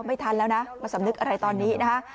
ไม่ทันแล้วนะมาสำนึกอะไรตอนนี้นะฮะ